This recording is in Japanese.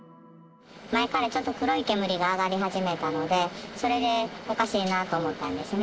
前からちょっと黒い煙が上がり始めたので、それでおかしいなと思ったんですね。